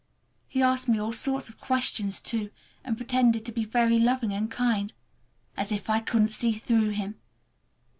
He asked me all sorts of questions, too, and pretended to be very loving and kind. As if I couldn't see through him!